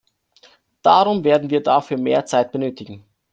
Darum werden wir dafür mehr Zeit benötigen.